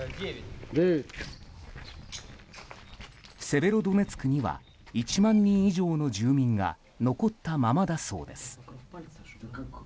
セベロドネツクには１万人以上の住民が残ったままだそうです。